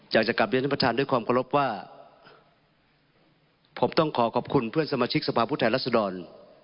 อยากจะกลับเรียนท่านประธานด้วยความเคารพว่าผมต้องขอขอบคุณเพื่อนสมาชิกสภาพผู้แทนรัศดร